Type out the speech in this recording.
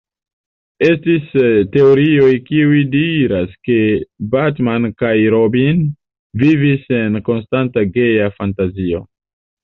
Estis teorioj kiuj diras ke Batman kaj Robin vivis en konstanta geja fantazio.